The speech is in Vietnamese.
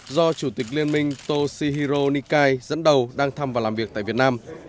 do chủ tịch liên minh toshihiro nikai dẫn đầu đang thăm và làm việc tại việt nam